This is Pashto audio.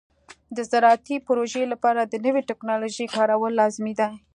د زراعتي پروژو لپاره د نوې ټکنالوژۍ کارول لازمي دي.